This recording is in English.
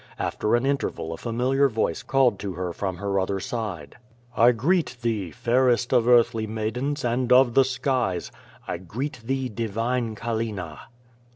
After an interval a familiar voice called to her from her other side: '^I greet thee, fairest of earthly maidens, and of the skies. I greet thee, divine Callina.